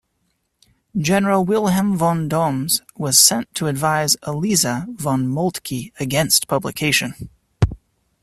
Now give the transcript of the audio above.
General Wilhelm von Dommes was sent to advise Eliza von Moltke against publication.